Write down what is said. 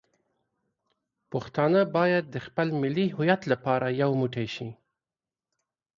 پښتانه باید د خپل ملي هویت لپاره یو موټی شي.